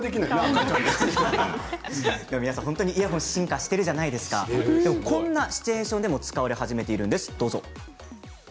イヤホン進化しているじゃないですか、こんなシチュエーションでも使われ始めています。